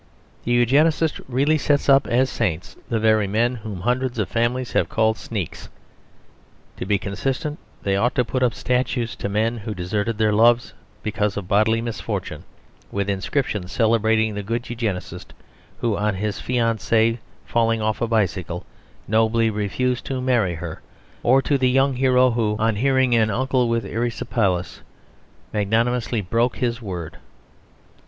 The Eugenist really sets up as saints the very men whom hundreds of families have called sneaks. To be consistent, they ought to put up statues to the men who deserted their loves because of bodily misfortune; with inscriptions celebrating the good Eugenist who, on his fiancée falling off a bicycle, nobly refused to marry her; or to the young hero who, on hearing of an uncle with erysipelas, magnanimously broke his word.